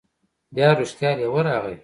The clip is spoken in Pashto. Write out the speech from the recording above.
بیا رښتیا لیوه راغی.